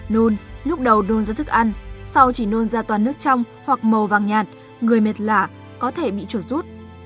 nun lúc đầu đun ra thức ăn sau chỉ nôn ra toàn nước trong hoặc màu vàng nhạt người mệt lạ có thể bị chuột rút